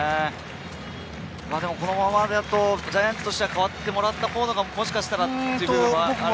このままだとジャイアンツとしては代わってもらったほうがもしかしたらという部分も。